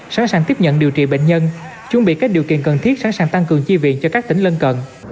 sẵn sàng tiếp nhận điều trị bệnh nhân chuẩn bị các điều kiện cần thiết sẵn sàng tăng cường chi viện cho các tỉnh lân cận